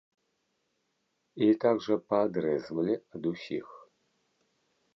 І так жа паадрэзвалі ад усіх.